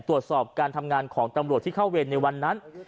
ตรวจสอบการทำงานของตำรวจที่เข้าเวรในวันนั้น